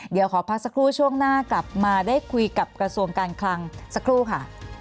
เดี๋ยวขอพักสักครู่ช่วงหน้ากลับมาได้คุยกับกระทรวงการคลังสักครู่ค่ะ